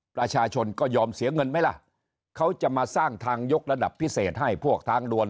ประชาชนก็ยอมเสียเงินไหมล่ะเขาจะมาสร้างทางยกระดับพิเศษให้พวกทางด่วน